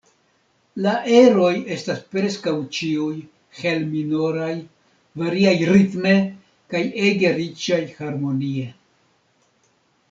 La eroj estas preskaŭ ĉiuj hel-minoraj, variaj ritme kaj ege riĉaj harmonie.